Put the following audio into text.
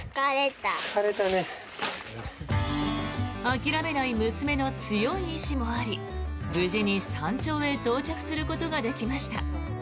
諦めない娘の強い意思もあり無事に山頂へ到着することができました。